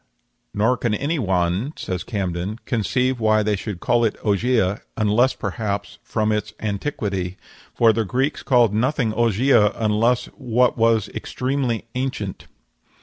"Nor can any one," says Camden, "conceive why they should call it Ogygia, unless, perhaps, from its antiquity; for the Greeks called nothing Ogygia unless what was extremely ancient."